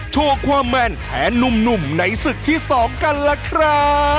โชว์ความแมนแทนหนุ่มในศึกที่๒กันล่ะครับ